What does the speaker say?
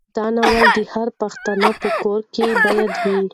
دا ناول د هر پښتانه په کور کې باید وي.